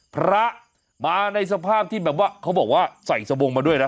พระมาในสภาพที่แบบว่าเขาบอกว่าใส่สบงมาด้วยนะ